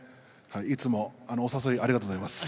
いつもお誘いありがとうございます。